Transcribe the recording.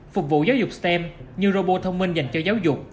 phục vụ giáo dục stem như robot thông minh dành cho giáo dục